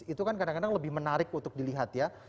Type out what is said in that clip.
itu kan kadang kadang lebih menarik untuk dilihat ya